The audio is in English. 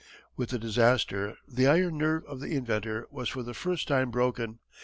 With this disaster the iron nerve of the inventor was for the first time broken.